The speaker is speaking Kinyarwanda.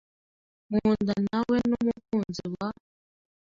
Nkundanawe numukunzi wa .